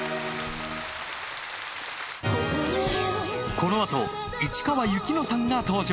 このあと市川由紀乃さんが登場